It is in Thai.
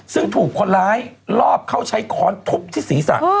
ซึ่งถูกคนร้ายลอบเข้าใช้ค้อนทุบที่ศีรษะ